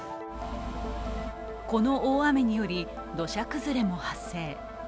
この大雨により、土砂崩れも発生。